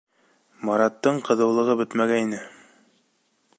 Мараттың ҡыҙыулығы бөтмәгәйне.